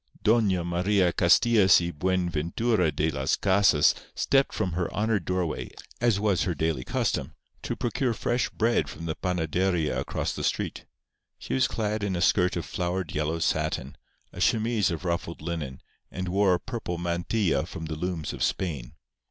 Doña Maria Castillas y Buenventura de las Casas stepped from her honoured doorway, as was her daily custom, to procure fresh bread from the panaderia across the street. She was clad in a skirt of flowered yellow satin, a chemise of ruffled linen, and wore a purple mantilla from the looms of Spain.